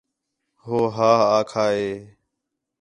ہو ھا آکھا ہے